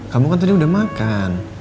kamu kan tadi udah makan